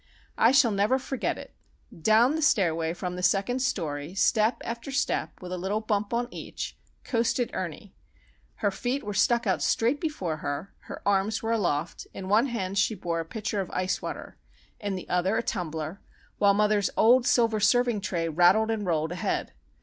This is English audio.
I shall never forget it. Down the stairway from the second story, step after step, with a little bump on each, coasted Ernie. Her feet were stuck out straight before her, her arms were aloft, in one hand she bore a pitcher of ice water, in the other a tumbler, while mother's old silver serving tray rattled and rolled ahead.